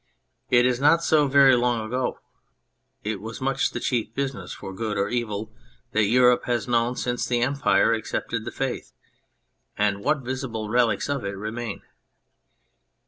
It is not so very long ago. It was much the chief business, for good or evil, that Europe has known since the Empire ac cepted the Faith. And what visible relics of it remain